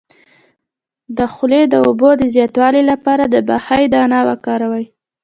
د خولې د اوبو د زیاتوالي لپاره د بهي دانه وکاروئ